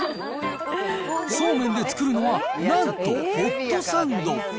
そうめんで作るのは、なんとホットサンド。